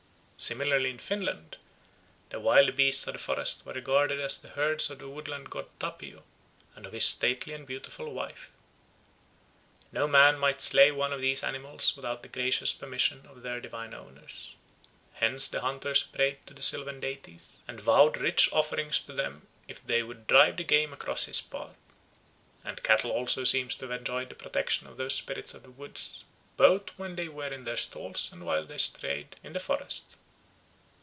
Similarly in Finland the wild beasts of the forest were regarded as the herds of the woodland god Tapio and of his stately and beautiful wife. No man might slay one of these animals without the gracious permission of their divine owners. Hence the hunter prayed to the sylvan deities, and vowed rich offerings to them if they would drive the game across his path. And cattle also seem to have enjoyed the protection of those spirits of the woods, both when they were in their stalls and while they strayed in the forest.